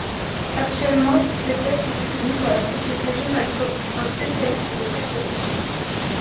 Actuellement Setec est détenue par la société Gemalto, un spécialiste des cartes à puce.